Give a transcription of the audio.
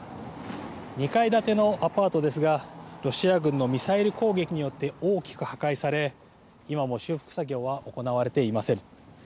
２階建てのアパートですがロシア軍のミサイル攻撃によって大きく破壊され今も修復作業は行われていません。